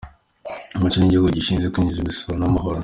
Mu kino cy’igihugu gishinzwe kwinjiza imisoro n’amahoro